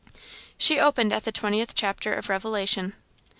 She opened at the 20th chapter of Revelation.